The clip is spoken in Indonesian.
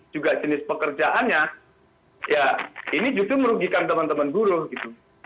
juga jenis pekerjaannya ya ini justru merugikan teman teman buruh gitu